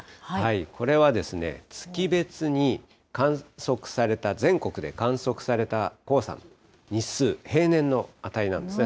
これは月別に全国で観測された黄砂の日数、平年の値なんですね。